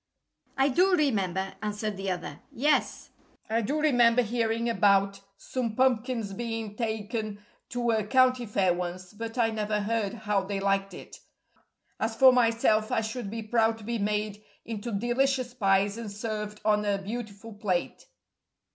"I do remember," answered the other. "Yes, I do remember hearing about some pumpkins' being taken to a county fair once, but I never heard how they liked it. As for myself, I should be proud to be made into delicious pies and served on a beautiful plate."